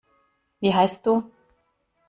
Wie heißt du?